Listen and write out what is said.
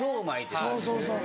そうそうそう。